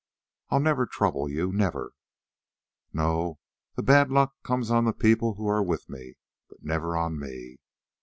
"I'll never trouble you never!" "No, the bad luck comes on the people who are with me, but never on me.